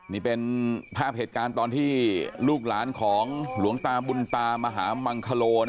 นี่เป็นภาพเหตุการณ์ตอนที่ลูกหลานของหลวงตาบุญตามหามังคโล